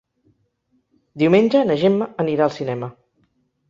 Diumenge na Gemma anirà al cinema.